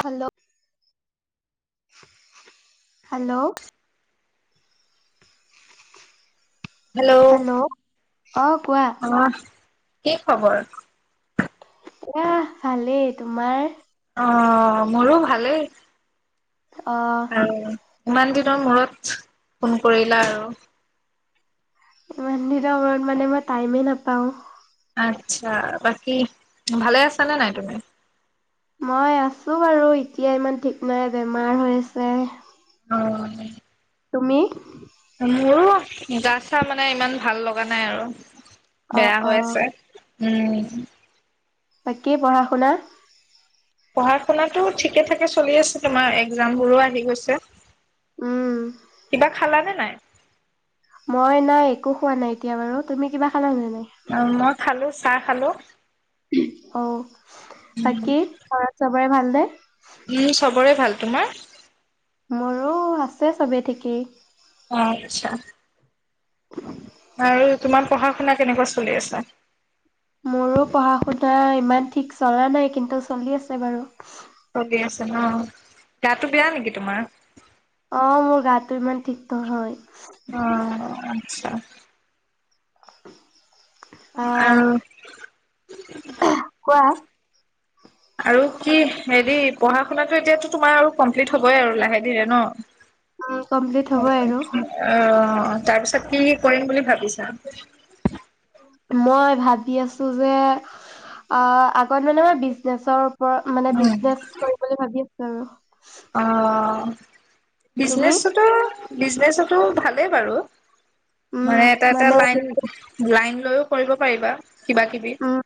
Hello hello hello অ কোৱা অ'। কি খবৰ? এয়া ভালেই তোমাৰ? অ' মোৰো ভালেই। অ'। আৰু ইমান দিনৰ মূৰত ফোন কৰিলা আৰু। ইমান দিনৰ মূৰত মানে মই টাইমে নাপাও। আচ্ছা বাকী ভালে আছা নে নাই তুমি? মই আছো বাৰু এতিয়া ইমান ঠিক নাই বেমাৰ হৈ আছে। অ'। তুমি? মোৰো গা চা মানে ইমান ভাল লগা নাই আৰু। অ বেয়া অ হৈ আছে। উম। বাকী পঢ়া শুনা। পঢ়া শুনাাটো ঠিকে ঠাকে চলি আছে, তোমাৰ একজামবোৰো আহি গৈছে। উম কিবা খালা নে। নাই মই নাই একো খোৱা নাই এতিয়া বাৰু, তুমি কিবা খালা নে নাই। অঁ, মই খালো চাহ খালো। অঁ। বাকী [unintelligible] চবৰে ভাল নে উম চব বৰে ভাল তোমাৰ? মোৰো আছে চবে ঠিকেই। আচ্ছা। [inaudible] আৰু তোমাৰ পঢ়া-শুনা কেনেকুৱা চলি আছে। মোৰো পঢ়া-শুনা ইমান ঠিক চলা নাই কিন্তু চলি আছে বাৰু। চলি আছে ন' গাতটো বেয়া নেকি তোমাৰ অ', মোৰ গাটো ইমান ঠিক নহয়। অ', আচ্ছা। আহ অ'। [inaudible] [inaudible] কি হেৰি পঢ়া শুনাটো এতিয়াতো তোমাৰ আৰু কমপ্লিট হ'বই আৰু লাহে ধীৰে ন'। উম কমপ্লিট অ'। হ'বই আৰু অ', তাৰ পিছত কি কৰিম বুলি ভাবিছা? মই ভাবি আছোঁ যে অ', আগত মানে মই বিজনেছৰ ৰত মানে উম, বিজনেচ কৰি বুলি ভাবিম। অ'। অ'। তুমি বিজনেচতো বিজনেচতো ভালেই বাৰু। মানে এটা এটা লাইন, লাইন। লৈও কৰিব পাৰিবা। কিবা কিবি। উম,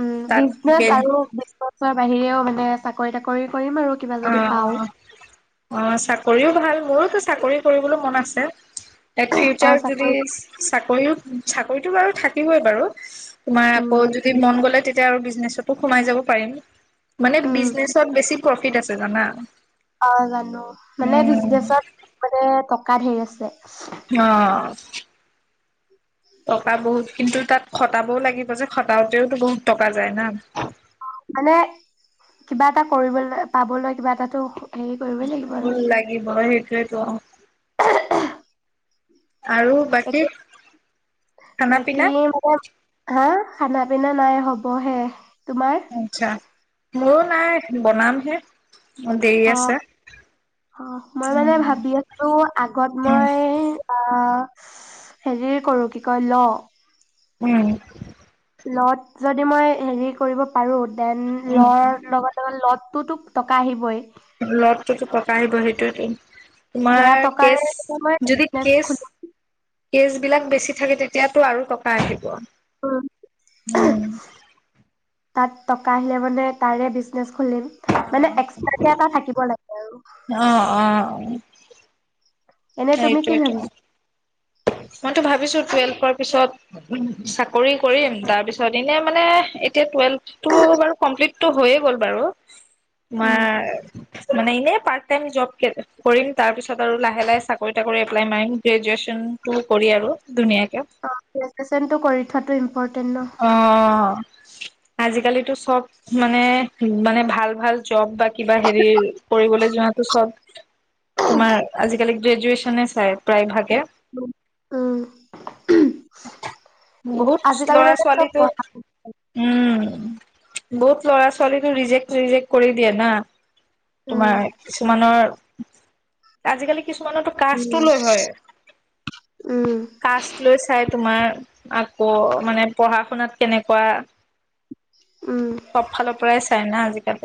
উম, তাত বে বিজনেচ আৰু বিশৰ বাহিৰেও মানে চাকৰি তাকৰি কৰিম আৰু কিবা যদি অ', পাও অ', চাকৰিও ভাল মোৰো চাকৰি কৰিবলৈ মন আছে। এ, অ ফিউচাৰ যদি চাকৰি চাকৰিও চাকৰিতটো বাৰু থাকিবই বাৰু। তোমাৰ উম আকৌ যদি মন গ'লে তে এতিয়া আৰু বিজনেচটো সোমাই যাব পাৰিম। মানে উম বিজনেচত বেছি টি আছে জানা অ', জানো মানে উম। বিজনেচত মানে ট কা ধেৰ আছে। অ'। টকা বহুত কিন্তু তাত খটাবও লাগিব যে খটাওতেওতো বহুত টকা যায় না। মানে কিবা এটা কৰিবলৈ পাবলৈ কিবা এটাতো হেৰি কৰিবই লাগিব আৰু ভুল লাগিব সেইটোৱে ব অ আৰু একো বাকী খানা বাকী পিনা মানে হা খানা পিনা নাই হ'বহে তোমাৰ আচ্ছা মোৰো নাই বনাম হে অ অ মই মানে উম, ভাবি আছোঁ আগত উম। মই আ হেৰি কৰো কি কয় ল উম লত যদি মই হেৰি কৰিব পাৰোঁ দেন উম, লৰ লগত লগত তো তোক টকা আহিবই লড টোতো টকা আহিবই সেইটোৱেটো সেয়া তোমাৰ টকাৰে কেচ মই যদি বিজনেচ কেচ কেজ বিলাক বেছি থাকে তেতিয়াটো আৰু টকা আহিব খুলিম উম তাত টকা আহিলে মানে তাৰে বিজনেছ খুলিম মানে এক্সট্ৰাকে এটা থাকিব লাগে আৰু অ', অ', এনে তুমি কি সেইটোৱেতো ভাবিছা মইতো ভাবিছো টুৱেলফৰ পিছত চাকৰি কৰিম তাৰপিছত এনে মানে এতিয়া টুৱেলফটো বাৰু কমপ্লিত টো হৈয়ে গ'ল বাৰু উম তোমাৰ মানে এনে পাৰ্ট টাইম জব কৰিম তাৰপিছত আৰু লাহে লাহে চাকৰি তাকৰি এপ্লাই মাৰিম গ্ৰেজোৱেচন টো কৰি আৰু ধুনীয়াকে অ গ্ৰেজোৱেচনটো কৰি থোৱাটো ইম অ আজিকালিতো চব মানে মানে ভাল ভাল জব বা কিবা হেৰি কৰিবলৈ যোৱাটো চব তোমাৰ আজিকালি গ্ৰেজুৱেচনে চাই প্ৰায় ভাগে উম বহুত আজিকালি ল'ৰা মানে চব ছোৱালীটো বনা উম বহুত ল'ৰা ছোৱালীটো ৰিজেক্ট ৰিজেক্ট কৰি দিয়ে না উম, তোমাৰ কিছুমানৰ আজিকালি কিছুমানো তু কাষ্টো লৈ হয় উম, কাষ্ট লৈ চাই তোমাৰ আকৌ মানে পঢ়া শুনাত কেনেকুৱা উম। সব ফালৰ পৰাই চাই না আজিকালি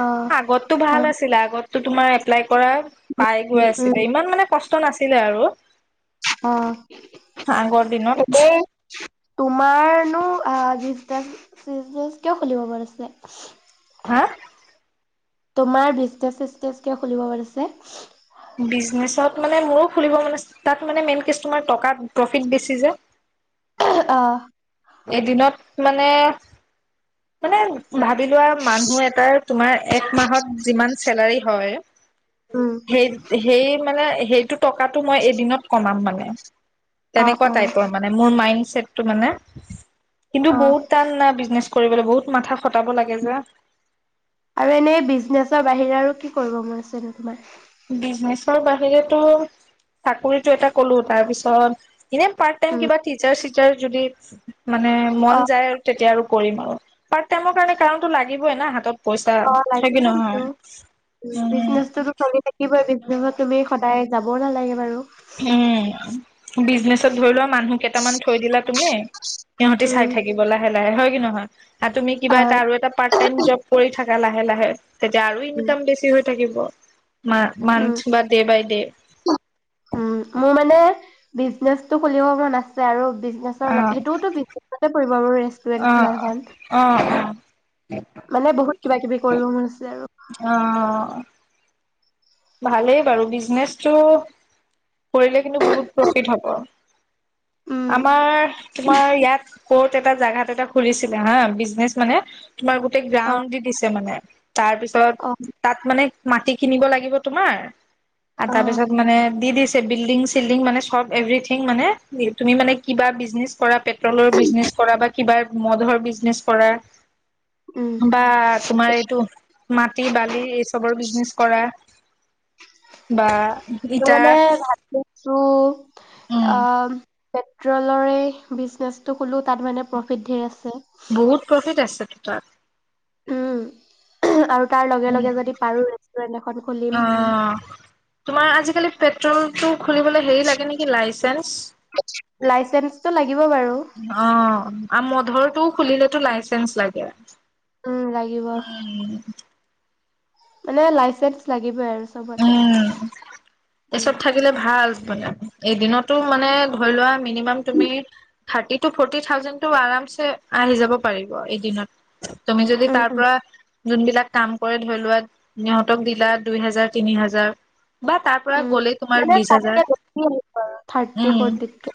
অ', আগততো ভাল হয়। আছিলে আগত তহ তোমাৰ এপ্লাই পৰা পাই গৈ উম, আছিলে ইমান মানে কষ্ট তহ নাছিলে আৰু অহ আগৰ দিনত হ'বও তোমাৰনো আহ বিজিনেচ চিজিনেচ কিয় খুলিব মন আছিলে। হা তোমাৰ বিজনেচ চিজনেচ কিয় খুলিব মন আছে? বিজনেছত মানে মোৰো খুলিব মানে তাত মানে মেইন কেচ তোমাৰ টকা প্ৰফিট বেছি যে অহ এদিনত মানে মানে ভা ভাবি লোৱা মানুহ এটাৰ তোমাৰ এক মাহত যিমান চেলাৰী হয় উম, সেই, সেই মানেই সেইটো এইটো টকাটো মই এদিনত কমাম মানে অ', তেনেকুৱা অ', টাইপৰ মানে মোৰ মাইন্ড চটটো মানে [unintelligible] কিন্তু অ', বহুত টান‌ না বিজনেছ কৰিবলৈ বহুত মাথা খটাব লাগে যে আৰু এনেই বিজনেছৰ বাহিৰে আৰু কি কৰিব মোৰ আছিল নো তোমাৰ? বিজনেচৰ বাহিৰেটো চাকৰিটো এটা কলো তাৰপিছত ইনে পাৰটাইম উম, কিবা টিচাৰ চিচাৰ তই যদি মানে মন অ', যায় আৰু তেতিয়া আৰু কৰিম আৰু পাৰ্ট টাইমৰ কাৰণে কাৰণটো লাগিবই না হাতত পইচা অ', লাগিব থাকে কিন্তু। নহয়, উম কি কয় বিজনেছত তুমি সদায় যাব নালাগে বাৰু উম বিজনেচত ধৰি লোৱা মানুহ কেইটামান থৈ দিলা তুমি, সিহঁতি উম, চাই থাকিব লাহে লাহে হয় কি নহয় তুমি কিবা হয়, এটা আৰু এটা পাৰ্ট টাইম জব কৰি থাকা লাহে লাহে। তেতিয়া আৰু উম, ইনকাম বেছি হৈ। থাকিব। মা উম। মান্থ বা ডে বাই ডে। উম মোৰ মানে বিজনেচটো খুলিব মন আছে আৰু। বিজনেছৰ [inaudible] অ সেইটোওতো বিজনেজতে পৰিব। মোৰ ৰেষ্টুৰেন্ট অ খোলা এখন। অ অ। মানে বহুত কিবা কিবি কৰিব মন আছে আৰু। অ অ। ভালেই বাৰু বিজনেচটো, কৰিলে কিন্তু বহুত প্ৰফিট হ'ব। উম, আমাৰ তোমাৰ ইয়াত ক'ত এটা জোগাত এটা খুলিছিলে হা, বিজনেচ মানে। তোমাৰ গোটেই অ', গ্ৰাউণ্ড দি দিছে মানে। তাৰ পিছত অ', তাত মানে, মাটি কিনিব লাগি। তোমাৰ? আৰু অ', তাৰপিছত মানে দি দিছ। চে বুইল্ডিং চিল্ডিং মানে চব এভ্ৰুঠিং মানে, তুমি মানে কিবা বিজনেছ কৰা পেট্ৰৰ বিজনেছ কৰা বা কিবা মধৰ বিজনেছ কৰা। উম। বা তোমাৰ এইটো মাটি বালি এই চবৰ বিজনেচ কৰা। বা। ত মানে ইটাৰ ভাবি আছোঁ। উম আহ পেট্ৰলৰে বিজনেচটো খোলো তাত মানে প্ৰফিট ঢেৰ আছে। বহুত প্ৰফিট আছে। তাত উম [unintelligible] আৰু তাৰ লগে লগে উম যদি পাৰো ৰেষ্টুৰেন্ট এখন অ খুলিম। তোমাৰ আজিকালি পেট্ৰলটো খুলিবলে হেৰি লাগে নেকি? লাইচেন্স? লাইচেন্ঞ্চো লাগি। অ আ মধুৰ। টো খুলিলেটো লাইচেঞ্চ লাগে। উম, লাগিব উম মানে লাইচেন্স লাগিবই আৰু। চবতে। উম উম। এছত থাকিলে ভাল। এদিনতো মানে ধৰি লোৱা মিনিমাম তুমি থাৰ্তি টো ফৌৰটি থাউজেণ্ড টো আৰামচে আহি যাব পাৰিব এদিনত। তুমি যদি উম, তাৰ উম। পৰা যোনবিলাক কাম কৰে ধৰি লোৱা। ত সিহঁতক দিলা দুই হেজাৰ, তিনি হাজাৰ। বা তাৰ পৰা উম। গ'লেই তোমাৰ মানে বিশ হাজাৰ তাতকে বেছি আহিব আৰু থাৰ্টি উম। ফৰ্টিতকে।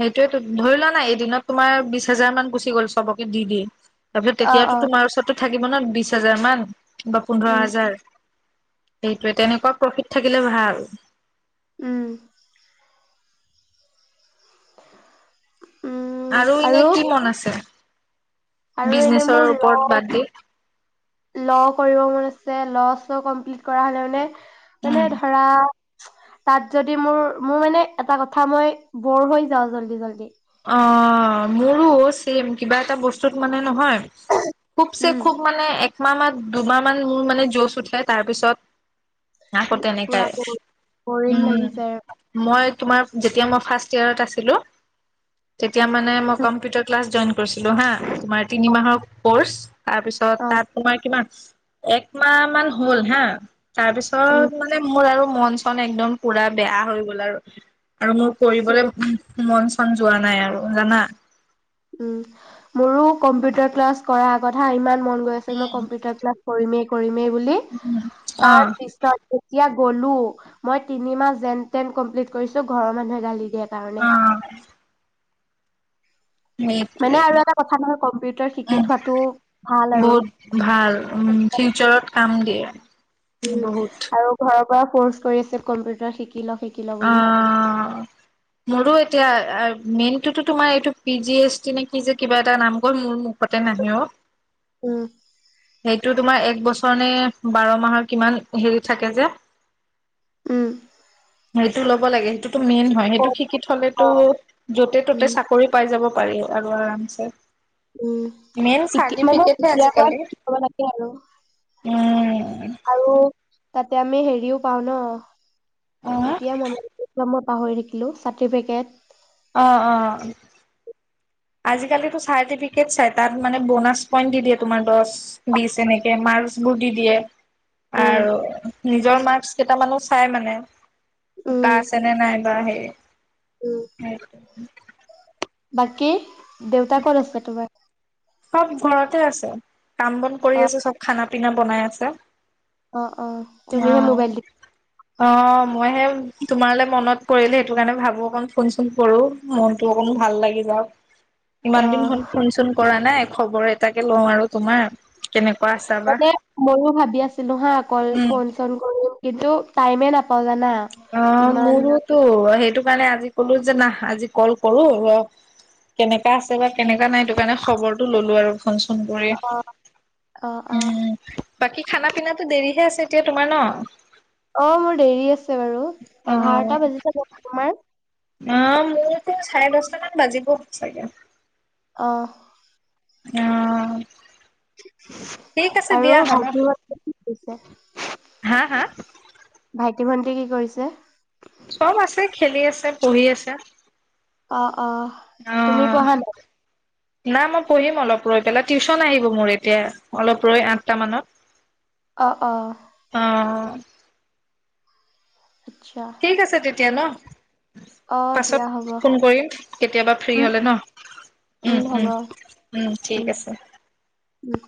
সেইটোয়েটো ধৰি লোৱা না এদিনত তোমাৰ বিশ হেজাৰ মান গুচি গ'ল চবকে দি দি। তাৰপিছত অ', তেতিয়াও টো অ', তোমাৰ ওচৰত থাকিব ন বিশ হাজাৰ মান। বা পোন্ধৰ উম, হাজাৰ। সেইটোৱে তেনেকুৱা প্ৰফিট থাকিলে ভাল। উম। [unintelligible] আৰু এনে কি মন আছে? আৰু এনে বিজনেছৰ মোৰ ল ওপৰত বাদ দি। ল' কৰিব মন আছে ল' চ কমপ্লিট কৰা হলে মানে মানে উম। ধৰা তাত যদি মোৰ মোৰ মানে এটা কথা মই বৰ হৈ যাও জল্দি জল্দি। অ মোৰো ছেম কিবা এটা বস্তুত মানে নহয়। খুব চে উম, খুব মানে একমাহ মাহ দুমাহ মান মোৰ মানে জজ উঠে তাৰপিছত আকৌ পুৰা তেনেকাই বৰিং লাগি যায় উম মই তোমাৰ যেতিয়া মই ফাৰ্ষ্ট ইয়েৰত আছিলোঁ তেতিয়া মানে মই কম্পিউটাৰ ক্লাছ জইন কৰিছিলো হা তোমাৰ তিনিমাহৰ ক'ৰ্চ। তাৰপিছত অ', তাত তোমাৰ কিমান। একমাহ মান হ'ল হা তাৰ উম, পিছত মানে মোৰ আৰু মন চন একদম পুৰা বেয়া হৈ গ'ল আৰু আৰু মোৰ কৰিবলে মন চন যোৱা নাই আৰু জানা। উম মোৰো কম্পিউটাৰ ক্লাছ কৰাৰ কথা ইমান মন গৈ আছিল মই কম্পিউটাৰ ক্লাছ কৰিমেই কৰিমে। বুলি অ তাৰ পিছত এতিয়া গ'লো মই তিনি মাহ যেন তেন কমপ্লিট কৰিছো ঘৰৰ মানুহে গালি দিয়ে। কাৰণে। অ মানে আৰু এটা কথা নহয় কম্পিউটাৰ উ শিকি থোৱাটো ভাল আৰু বহুত ভাল উ ফিউচাৰত। কামগে। উম আৰু ঘৰৰ। কৰ্চ কৰি আছে কম্পিউটাৰ শিক। অ মোৰো এতিয়া। মেইন টোতো তোমাৰ এইটো পি জি এছ টি নেকি যে কিবা এটা নাম গ'ল মোৰ মুখতে নাহে অ। উম। সেইটো তোমাৰ এক বছৰ নে বাৰ মাহৰ কিমান হেৰি থাকে যে। উম। সেইটো ল'ব লাগে সেইটো। মেইন হয় সেইটো শিকি থলেতো অ', য'তে ত'তে উম চাকৰি পাই যাব। পাৰ আৰু আৰামছে। মেইন উমতিয়া মানে চাৰ্টিফিকেটহে এতিয়াৰ পৰা আজিকালি সিকিব লাগে। আৰু। উম। আৰু। তাতে আমি হেৰিও পাওঁ ন। অ এতিয়া মনামত। পাহৰি থাকিলোঁ চাৰ্টিফিকেট। অ, অ। আজিকালো চাৰটিফিকেট চ তাত মানে বনাছ পইণ্ট দি দিয়ে্ তোমাৰ দ বি এনেকে ম্কোৰ দি দিয়ে। উম আৰু নিজৰ মাৰ্কচ কেইটামানো। চাই মানে। শুকা উম আছে নে নাই বা হেৰি। উম [unintelligible] সেইটো। বাকী। দেউতা ক'ত আছে তোমাৰ। সব ঘৰতে আছে। কাম বন অ কৰি আছো চব খানা। পনা বনাই আছে। অহ। অ অ তুমিহে মোবাইল দি। অ মইহে তোমাৰাল মনত পৰিল সেইটো। কাৰণে ভাবো অকণ ফোন চোন কৰো মনটো অকণ ভাল লাগি যাওক। ইমান দিন অ', হল ফোন চোন কৰা নাই খবৰ এটাকে লও আৰু তোমাৰ কেনেকুৱা আছা বা মানে ময়ো ভাবি আছিলো হা আকৌ উম ফোন চোন কৰিম কিন্তু টাইমে নাপ অ মোৰ তো সেই টো কাৰণে আজি কলো যে না আজি কল কৰো কেনেকা আছে বা কেনেকা নাই সেইটো কাৰণে খবৰটো ললো আৰু ফোন চোন কৰি অ', অ', অ', উম বাকী খানা পিনাতো দেৰিহে আছে এতিয়া তোমাৰ ন অ মোৰ দেৰি আছে বাৰু এঘাৰটা অ বাজিছে দিয়ক তোমাৰ অ মোৰতো চাৰে দহটামান বাজিব চাগে অ অম আৰু ভাগৰুৱা যেনো লাগিছে যে হা হা প্ৰতি ভন্তি কি কৰিছে চব আছে খেলি আছে পঢ়ি আছে অ অ তুমি অ', পঢ়া নাই না মই পঢ়িম অলপ ৰৈ পেলাই টিউশ্যন আহিব মোৰ এতিয়া অলপ ৰৈ আঠটা মানত অ অ [unintelligible] আচ্ছা ঠিক আছে তেতিয়া ন অ', দিয়া পাছত হ'ব ফোন কৰিম কেতিয়াবা ফ্ৰী উম, হলে ন উম, উ হ'ব উ উ উম, ঠিক আছে উম